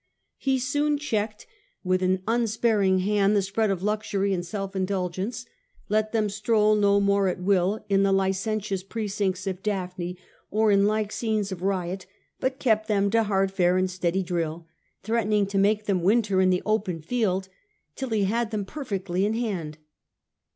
He soon checked with an 104 ^ ntonines, a.d, unsparing hand the spread of luxury and self indulgence, let them stroll no more at will in the licentious precincts of Daphne, or in like scenes of riot, but kept them to hard fare and steady drill, threatening to make them winter in the open field, till he had them perfectly in hand.